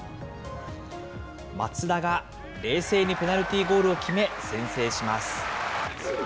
松田が冷静にペナルティーゴールを決め、先制します。